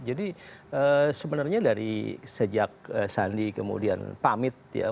jadi sebenarnya dari sejak sandi kemudian pamit ya